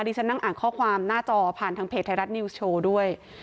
ที่ฉันนั่งอ่านข้อความหน้าจอผ่านทางเพจไทยรัฐนิวส์โชว์ด้วย